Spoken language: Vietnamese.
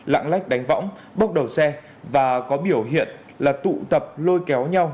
lạng lách đánh võng bốc đầu xe và có biểu hiện là tụ tập lôi kéo nhau